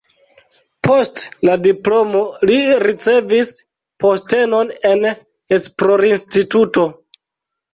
Post la diplomo li ricevis postenon en esplorinstituto.